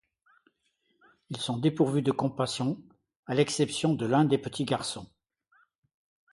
Ils sont dépourvus de compassion, à l'exception de l'un des petits garçons.